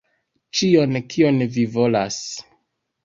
Ĉion kion vi volas.